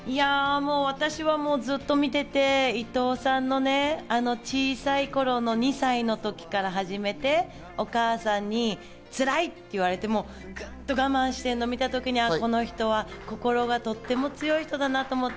私はずっと見ていて、伊藤さんの小さい頃の２歳の時から始めて、お母さんに「つらい？」って言われてもグッと我慢してそれを見たときに、この人は心がとても強い人だなと思って。